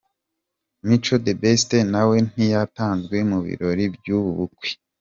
Mico The Best nawe ntiyatanzwe mu birori by'ubu bukwe.